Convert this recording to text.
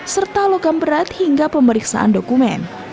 serta logam berat hingga pemeriksaan dokumen